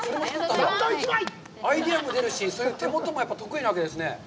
アイデアも出るし、手元も得意なわけですね。